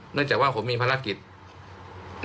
เนื่องจากว่าผมมีภารกิจ